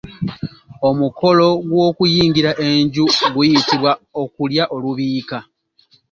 Omukolo ogw'okuyingira enju guyitibwa okulya olubiika.